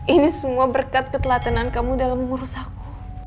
ini semua berkat ketelatenan kamu dalam mengurus aku